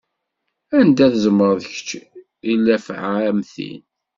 Anda tzemreḍ kečč i llafɛa am tin!